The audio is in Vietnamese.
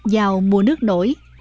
giàu mua nước nổi